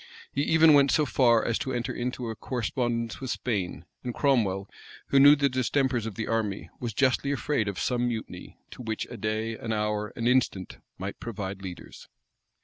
He even went so far as to enter into a correspondence with Spain, and Cromwell, who knew the distempers of the army, was justly afraid of some mutiny, to which a day, an hour, an instant, might provide leaders.